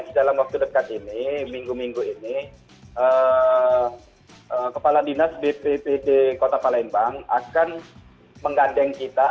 next dalam waktu dekat ini minggu minggu ini kepala dinas dpp di kota palembang akan menggadeng kita